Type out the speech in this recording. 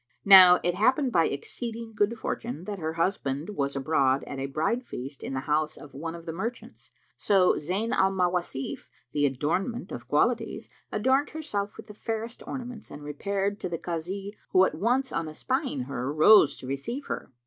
Now it happened, by exceeding good fortune, that her husband was abroad at a bride feast in the house of one of the merchants; so Zayn al Mawasif, the Adornment of Qualities, adorned herself with the fairest ornaments and repaired to the Kazi, who at once on espying her rose to receive her.